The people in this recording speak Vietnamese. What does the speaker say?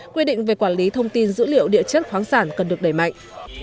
quy định về quản lý thông tin dữ liệu địa chất khoáng sản cần được đẩy mạnh